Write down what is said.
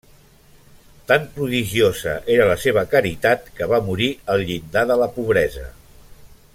Tan prodigiosa era la seva caritat que va morir al llindar de la pobresa.